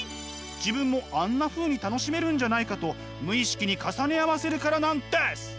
自分もあんなふうに楽しめるんじゃないかと無意識に重ね合わせるからなんです！